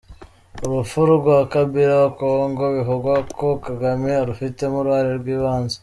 Urupfu rwa Kabila wa Kongo, bivugwa ko Kagame arufitemo uruhare rw’ibanze.